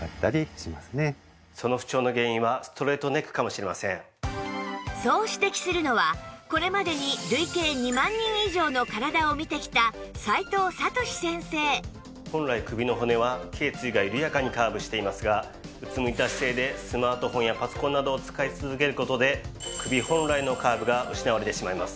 さらに一方そう指摘するのはこれまでに累計２万人以上の体を見てきた齋藤智司先生本来首の骨は頸椎が緩やかにカーブしていますがうつむいた姿勢でスマートフォンやパソコンなどを使い続ける事で首本来のカーブが失われてしまいます。